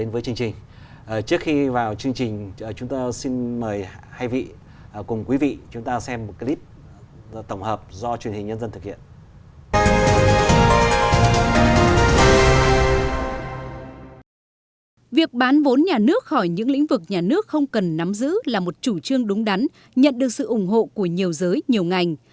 việc bán vốn nhà nước khỏi những lĩnh vực nhà nước không cần nắm giữ là một chủ trương đúng đắn nhận được sự ủng hộ của nhiều giới nhiều ngành